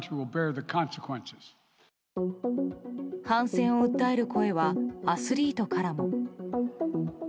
反戦を訴える声はアスリートからも。